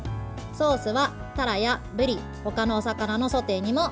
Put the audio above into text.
ソースは、タラやブリ他のお魚のソテーにも合います。